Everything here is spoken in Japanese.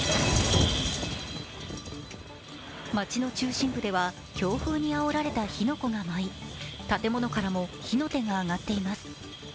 街の中心部では、強風にあおられた火の粉が舞い建物からも火の手が上がっています。